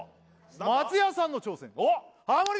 松也さんの挑戦ハモリ